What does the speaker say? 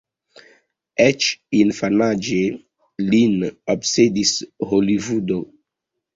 Eĉ infanaĝe lin obsedis Holivudo.